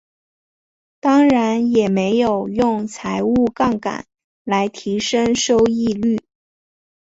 当然也没有用财务杠杆来提升收益率。